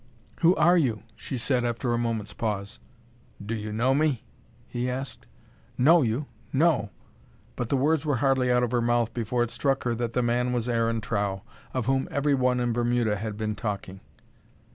"Who are you?" she said, after a moment's pause. "Do you know me?" he asked. "Know you! No." But the words were hardly out of her mouth before it struck her that the man was Aaron Trow, of whom every one in Bermuda had been talking.